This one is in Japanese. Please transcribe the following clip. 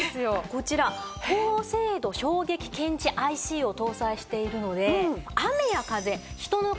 こちら高精度衝撃検知ＩＣを搭載しているので。